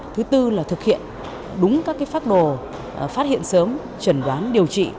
thứ tư là thực hiện đúng các phác đồ phát hiện sớm trần đoán điều trị